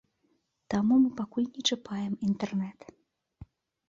Таму мы пакуль не чапаем інтэрнэт.